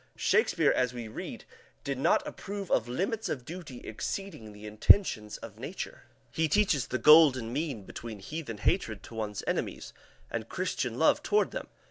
Shakespeare, as we read, did not approve of limits of duty exceeding the intentions of nature. He teaches the golden mean between heathen hatred to one's enemies and Christian love toward them (pp.